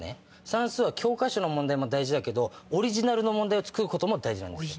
算数は教科書の問題も大事だけどオリジナルの問題を作ることも大事なんです。